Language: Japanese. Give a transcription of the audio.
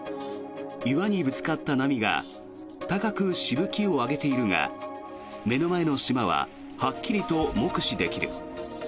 岩にぶつかった波が高くしぶきを上げているが目の前の島ははっきりと目視できる。